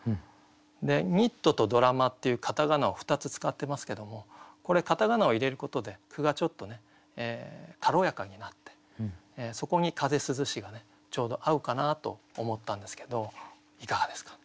「ニット」と「ドラマ」っていう片仮名を２つ使ってますけどもこれ片仮名を入れることで句がちょっと軽やかになってそこに「風涼し」がちょうど合うかなと思ったんですけどいかがですか？